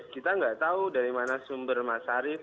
kita nggak tahu dari mana sumber mas arief